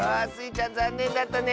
ちゃんざんねんだったね。